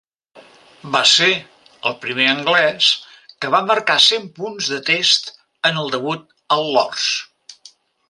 Va ser el primer anglès que va marcar cent punts de Test en el debut al Lord's.